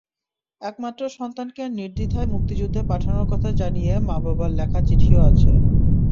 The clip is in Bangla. একমাত্র সন্তানকে নির্দ্বিধায় মুক্তিযুদ্ধে পাঠানোর কথা জানিয়ে মা-বাবার লেখা চিঠিও আছে।